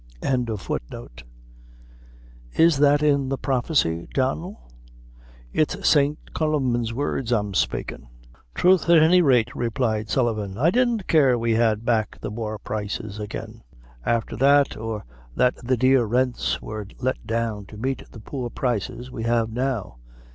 "Is that in the prophecy, Donnel?" "It's St. Columbian's words I'm spakin'." "Throth, at any rate," replied Sullivan, "I didn't care we had back the war prices again; aither that, or that the dear rents were let down to meet the poor prices we have now.